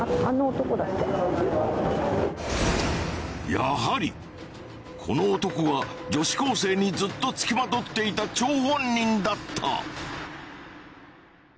やはりこの男が女子高生にずっとつきまとっていた張本人だった。